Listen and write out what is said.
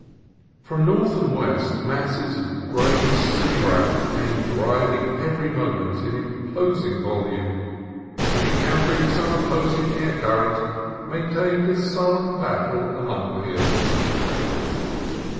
From north and west, masses of gray sea wrack came driving every mo ment in imposing volume, and, encountering some opposing air current, maintained a sullen battle among the hills.